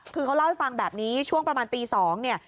คือเขาเล่าให้ฟังแบบนี้ช่วงประมาณตี๒เนี่ย